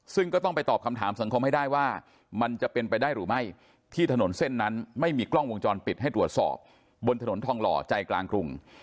ซึ่งก็ต้องไปตอบคำถามสังคมให้ได้ว่ามันจะเป็นไปได้หรือไม่ที่ถนนเส้นนั้นไม่มีกล้องวงจรปิดให้ตรวจสอบบนถนนทองหล่อใจกลางกรุง